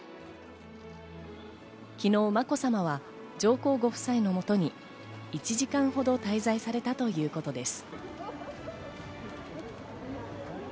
昨日まこさまは上皇ご夫妻のもとに１時間ほど滞在されたということです。